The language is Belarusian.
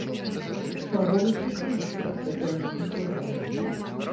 Чаго вы чакаеце ад цяперашніх выбараў?